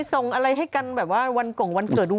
มีทรงอะไรให้กันแบบว่าวันงกว่าวันเกิดวัน